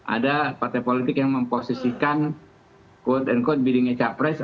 ada partai politik yang memposisikan quote unquote biddingnya capres